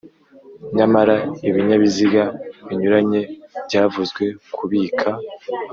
Nyamara ibinyabiziga binyuranye byavuzwe ku bika